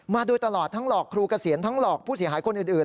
มาโดยตลอดทั้งหลอกครูเกษียณทั้งหลอกผู้เสียหายคนอื่น